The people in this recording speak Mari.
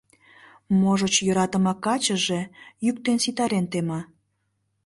Можыч, йӧратыме качыже йӱктен ситарен тема?